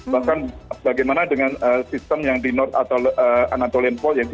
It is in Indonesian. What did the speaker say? bahkan bagaimana dengan sistem yang di north anatolian fault